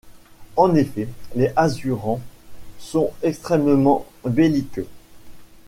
En effet, les Asurans sont extrêmement belliqueux.